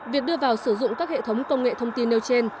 việc đưa vào sử dụng các hệ thống công nghệ thông tin nêu trên